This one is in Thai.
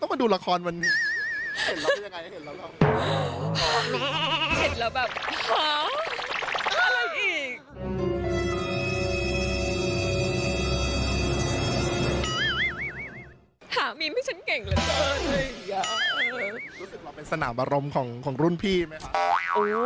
รู้สึกว่าเราเป็นสนามอารมณ์ของรุ่นพี่ไหมคะ